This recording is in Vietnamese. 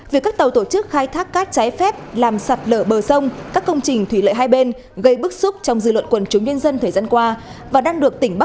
việc các tàu tổ chức khai thác các trái phép làm sặt lở bờ sông các công trình thủy lợi hai bên gây bức xúc trong dư luận quần chúng nhân dân thời gian qua